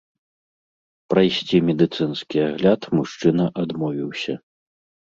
Прайсці медыцынскі агляд мужчына адмовіўся.